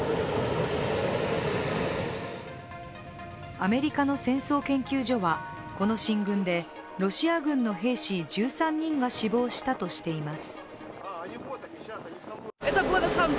アメリカの戦争研究所はこの進軍でロシア軍の兵士１３人が死亡したとしています。